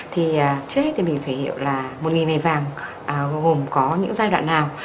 thì trước hết thì mình phải hiểu là một ngày vàng gồm có những giai đoạn nào